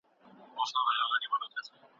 له روزنې پرته د ماشوم ذهن نه روښانه کېږي.